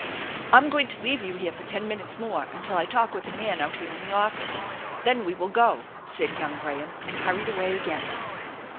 " I'm going to leave you here for ten minutes more until I talk with a man out here in the office. Then we will go," said young Graham, and hurried away again.